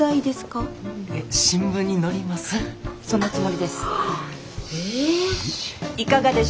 そのつもりです。